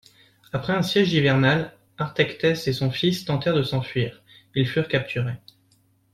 Après un siège hivernal, Artayctès et son fils tentèrent de s'enfuir, ils furent capturés.